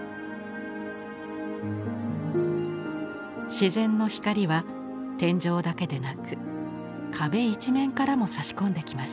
自然の光は天井だけでなく壁一面からもさし込んできます。